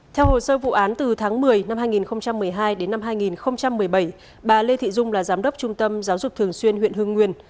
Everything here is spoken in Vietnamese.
theo hồ sơ vụ án từ tháng một mươi năm hai nghìn một mươi hai đến năm hai nghìn một mươi bảy bà lê thị dung là giám đốc trung tâm giáo dục thường xuyên huyện hương nguyên